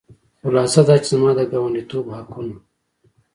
خلاصه دا چې زما د ګاونډیتوب حقونه.